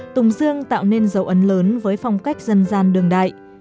tùng dương tạo nên dấu ấn lớn với phong cách dân gian đường đại